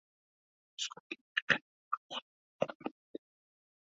• Suvga yiqilgan yomg‘irdan qo‘rqmaydi.